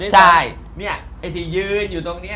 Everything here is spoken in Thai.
ไม่ใช่เนี่ยไอ้ที่ยืนอยู่ตรงนี้